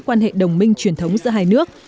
quan hệ đồng minh truyền thống giữa hai nước